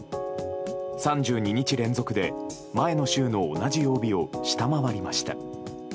３２日連続で前の週の同じ曜日を下回りました。